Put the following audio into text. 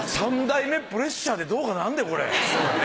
３代目プレッシャーでどうかなんでこれ。